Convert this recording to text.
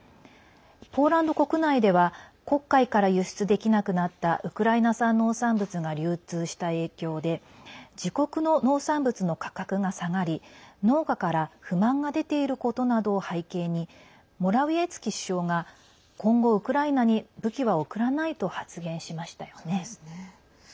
ポーランド国内では黒海から輸出できなくなったウクライナ産農産物が流通した影響で自国の農産物の価格が下がり農家から不満が出ていることなどを背景にモラウィエツキ首相が今後ウクライナに武器は送らないと発言しましたよね。